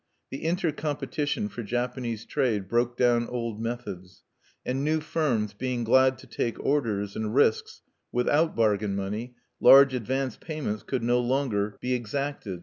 The intercompetition for Japanese trade broke down old methods; and new firms being glad to take orders and risks without "bargain money," large advance payments could no longer be exacted.